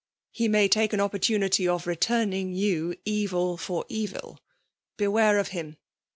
He may take an opportunity of returning you evil for eviL Beware of him.